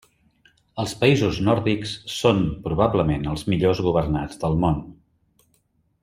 Els països nòrdics són probablement els millors governats del món.